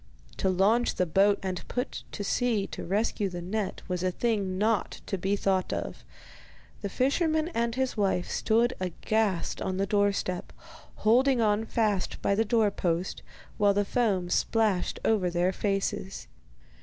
To launch the boat and put to sea to rescue the net was a thing not to be thought of. The fisherman and his wife stood aghast on the doorstep, holding on fast by the doorpost, while the foam splashed over their faces.